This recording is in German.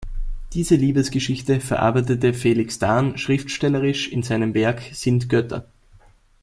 Diese Liebesgeschichte verarbeitete Felix Dahn schriftstellerisch in seinem Werk "Sind Götter?